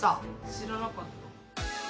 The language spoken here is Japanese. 知らなかった。